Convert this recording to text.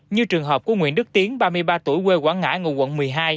như trường hợp của nguyễn đức tiến ba mươi ba tuổi quê quảng ngãi ngụ quận một mươi hai